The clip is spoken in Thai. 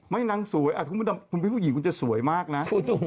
นางสวยคุณพี่ผู้หญิงคุณจะสวยมากนะ